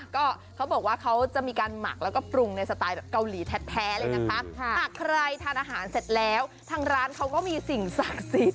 ก็เขาบอกว่าเขาจะมีการหมักแล้วก็ปรุงในสไตล์แบบเกาหลีแท้เลยนะคะหากใครทานอาหารเสร็จแล้วทางร้านเขาก็มีสิ่งศักดิ์สิทธิ